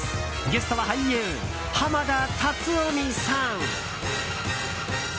ゲストは俳優・濱田龍臣さん。